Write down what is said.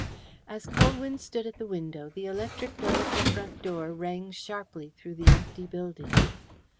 As Colwyn stood at the window, the electric bell of the front door rang sharply through the empty building.